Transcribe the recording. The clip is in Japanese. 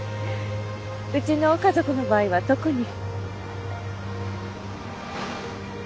うちの家族の場合は特に。